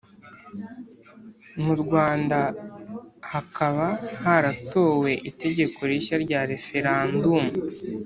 Mu Rwanda hakaba haratowe itegeko rishya rya referandumu,